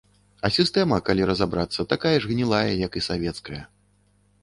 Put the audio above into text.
А сістэма, калі разабрацца, такая ж гнілая, як і савецкая.